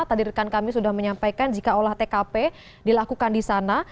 tadi rekan kami sudah menyampaikan jika olah tkp dilakukan di sana